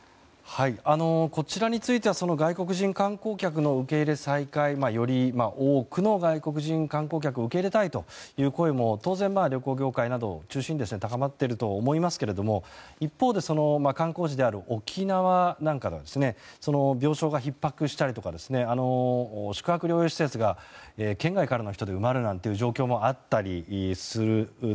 こちらについては外国人観光客の受け入れ再開より多くの外国人観光客を受け入れたいという声も当然、旅行業界などを中心に高まっていると思いますが一方で観光地である沖縄なんかでは病床がひっ迫したりとか宿泊療養施設が県外からの人で埋まるなんていう状況もあります。